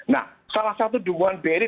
nah salah satu dukungan bri